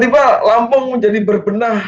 tiba tiba lampung jadi berbenah